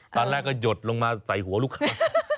ตอนแรกก็หยดลงมาใส่หัวลูกค้า